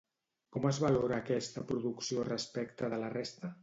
Com es valora aquesta producció respecte de la resta?